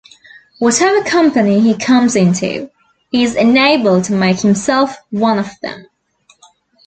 Whatever company he comes into, he is enabled to make himself one of them.